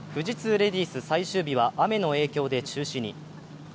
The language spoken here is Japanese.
レディース最終日は雨の影響で中止に。